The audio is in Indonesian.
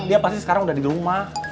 dia pasti sekarang udah di rumah